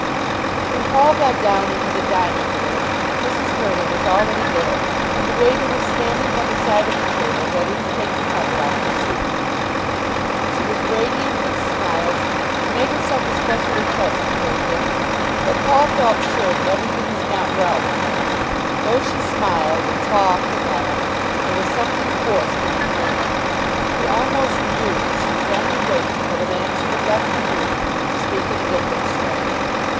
When Paul got down into the dining room Mrs. Hurtle was already there, and the waiter was standing by the side of the table ready to take the cover off the soup. She was radiant with smiles and made herself especially pleasant during dinner, but Paul felt sure that everything was not well with her. Though she smiled, and talked and laughed, there was something forced in her manner. He almost knew that she was only waiting till the man should have left the room to speak in a different strain.